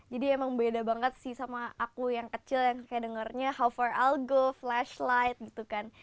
jadi emang beda banget sih sama aku yang kecil yang dengarnya hover algo flashlight gitu kan